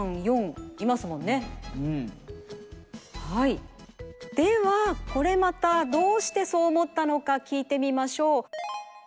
はいではこれまたどうしてそう思ったのかきいてみましょう。